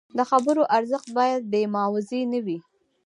د خبرو ارزښت باید بې معاوضې نه وي.